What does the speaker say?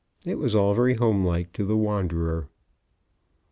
It was all very home like to the wanderer.